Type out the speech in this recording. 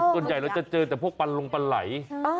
ส่วนใหญ่เราจะเจอแต่พวกปันลงปลาไหล